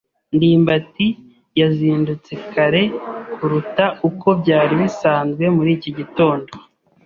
ndimbati yazindutse kare kuruta uko byari bisanzwe muri iki gitondo.